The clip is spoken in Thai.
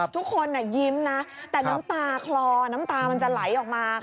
ทุกคนยิ้มนะแต่น้ำตาคลอน้ำตามันจะไหลออกมา